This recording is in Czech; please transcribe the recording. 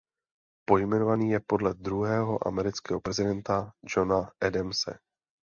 Pojmenovaný je podle druhého amerického prezidenta Johna Adamse.